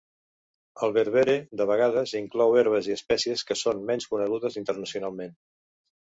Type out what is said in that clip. El "berbere" de vegades inclou herbes i espècies que són menys conegudes internacionalment.